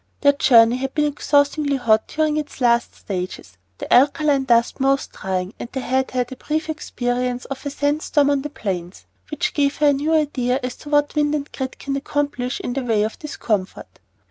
Their journey had been exhaustingly hot during its last stages, the alkaline dust most trying, and they had had a brief experience of a sand storm on the plains, which gave her a new idea as to what wind and grit can accomplish in the way of discomfort.